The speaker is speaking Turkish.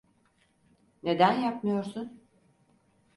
Neden yapmıyorsun?